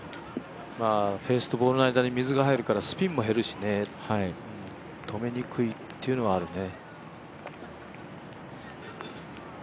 フェースとボールの間に水が入るからスピンも入るし止めにくいっていうのはあるね。